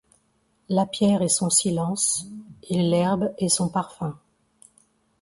La pierre et son silence, et l’herbe et son parfum ;.